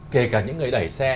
kể cả những người đẩy xe